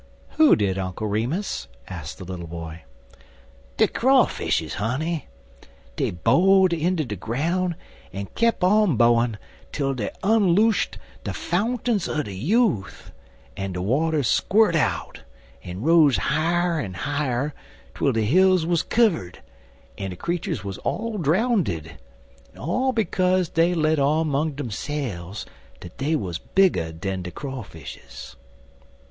"Who did, Uncle Remus?" asked the little boy. "De Crawfishes, honey. Dey bo'd inter de groun' en kep' on bo'in twel dey onloost de fountains er de yeth; en de waters squirt out, en riz higher en higher twel de hills wuz kivvered, en de creeturs wuz all drownded; en all bekaze dey let on 'mong deyselves dat dey wuz bigger dan de Crawfishes."